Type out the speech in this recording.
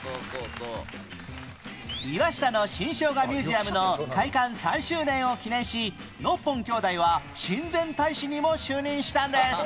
岩下の新生姜ミュージアムの開館３周年を記念しノッポン兄弟は親善大使にも就任したんです